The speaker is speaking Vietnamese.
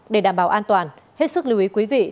để đảm bảo an toàn hết sức lưu ý quý vị